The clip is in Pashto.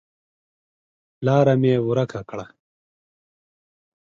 لاره مې ورکه کړه